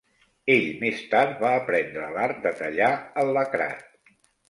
Ell més tard va aprendre l'art de tallar el lacrat.